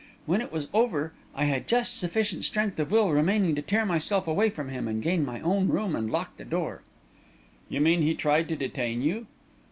When it was over, I had just sufficient strength of will remaining to tear myself away from him and gain my own room and lock the door." "You mean he tried to detain you?"